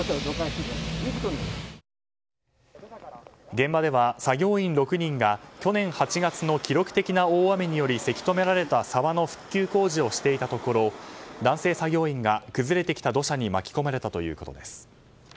現場では作業員６人が去年８月の記録的な大雨によりせき止められた沢の復旧工事をしていたところ男性作業員が崩れてきた土砂に巻き込まれたということです。